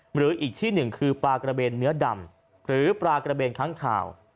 หรืออีกที่หนึ่งคือปลากระเบนเนื้อดำหรือปลากระเบนค้างข่าว